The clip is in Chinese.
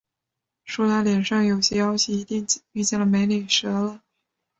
说他脸上有些妖气，一定遇见“美女蛇”了